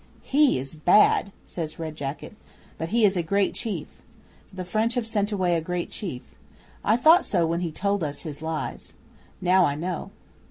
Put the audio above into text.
'"He is bad," says Red Jacket. "But he is a great chief. The French have sent away a great chief. I thought so when he told us his lies. Now I know."